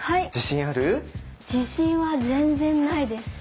自信は全然ないです。